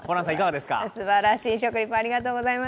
すばらしい食リポありがとうございます。